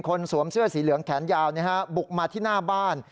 สวมเสื้อสีเหลืองแขนยาวบุกมาที่หน้าบ้าน